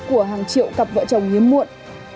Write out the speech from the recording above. của hàng triệu cặp vợ chồng hiếm muộn